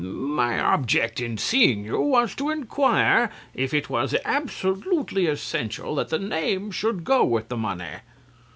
My object in seeing you was to inquire if it was absolutely essential that the name should go with the money.